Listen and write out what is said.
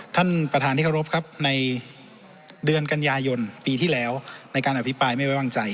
ท่านประธานที่เคารพครับในเดือนกันยายนปีที่แล้วในการอภิปรายไม่ไว้วางใจ